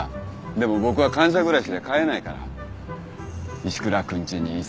でも僕は官舎暮らしで飼えないから石倉君ちに居候中。